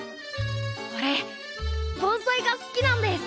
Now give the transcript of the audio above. おれ盆栽が好きなんです。